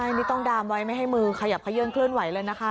ใช่นี่ต้องดามไว้ไม่ให้มือขยับขยื่นเคลื่อนไหวเลยนะคะ